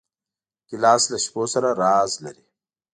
ګیلاس له شپو سره راز لري.